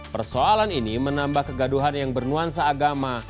persoalan ini menambah kegaduhan yang bernuansa agama